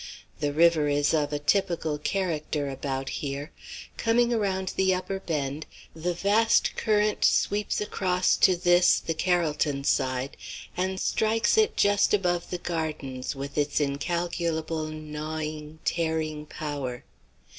The river is of a typical character about here. Coming around the upper bend, the vast current sweeps across to this, the Carrollton side, and strikes it just above the gardens with an incalculable gnawing, tearing power.